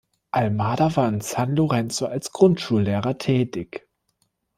Almada war in San Lorenzo als Grundschullehrer tätig.